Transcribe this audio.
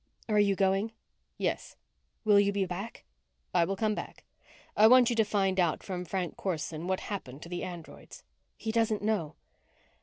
"Are you going?" "Yes." "Will you come back?" "I will come back. I want you to find out from Frank Corson what happened to the androids." "He doesn't know."